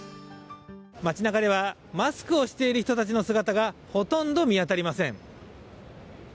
街なかではマスクをしている人たちの姿がほとんど見当たりません。